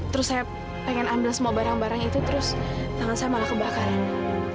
terus saya pengen ambil semua barang barang itu terus tangan saya malah kebakaran